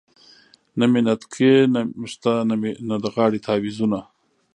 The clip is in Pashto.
نه مې نتکې شته نه د غاړې تعویذونه .